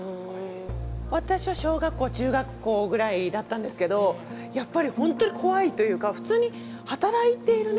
私は小学校中学校ぐらいだったんですけどやっぱり本当に怖いというか普通に働いているね